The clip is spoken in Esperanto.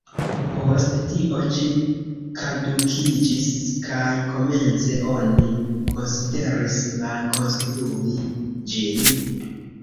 Post tio ĝi kadukiĝis, kaj komence oni konsideris malkonstrui ĝin.